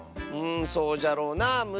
うんそうじゃろうなあ。